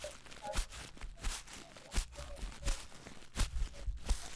Tu ungane na bale abajuwe kurima